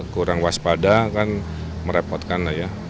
kurang waspada kan merepotkan